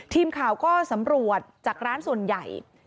ทีมข่าวก็สำรวจจากร้านส่วนใหญ่